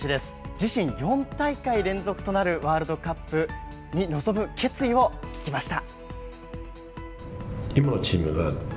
自身４大会連続となるワールドカップに臨む決意を聞きました。